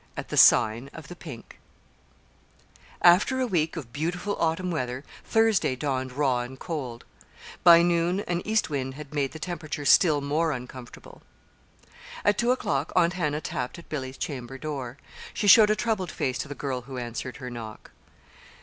AT THE SIGN OF THE PINK After a week of beautiful autumn weather, Thursday dawned raw and cold. By noon an east wind had made the temperature still more uncomfortable. At two o'clock Aunt Hannah tapped at Billy's chamber door. She showed a troubled face to the girl who answered her knock.